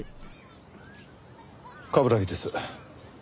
冠城です。